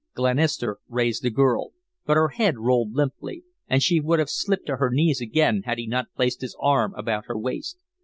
Glenister raised the girl, but her head rolled limply, and she would have slipped to her knees again had he not placed his arm about her waist.